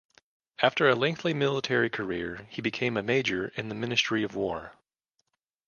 After a lengthy military career he became a major in the ministry of war.